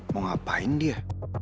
mau ngapain dia